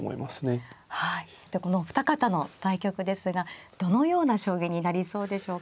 このお二方の対局ですがどのような将棋になりそうでしょうか。